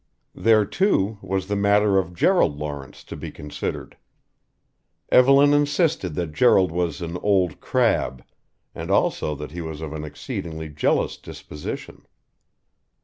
There, too, was the matter of Gerald Lawrence to be considered. Evelyn insisted that Gerald was "an old crab" and also that he was of an exceedingly jealous disposition.